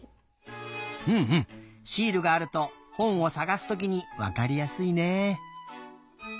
シールがあると本をさがすときにわかりやすいね。